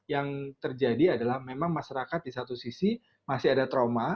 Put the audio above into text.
yang terjadi adalah memang masyarakat di satu sisi masih ada trauma